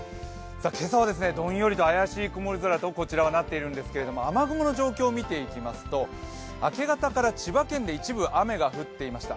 今朝はどんよりと怪しい曇り空となっていますが雨雲の状況を見ていきますと、明け方から千葉県で一部雨が降っていました。